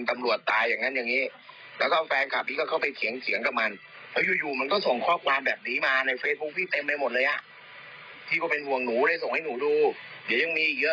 มันเป็นใครก็ไม่รู้บ้า